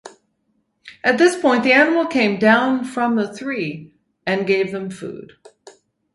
At this point the animal came down from the three and gave them food.